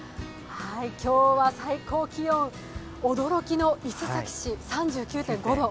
今日は最高気温、驚きの伊勢崎市３９．５度。